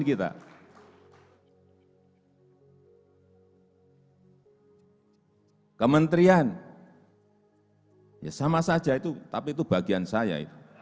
kementerian ya sama saja itu tapi itu bagian saya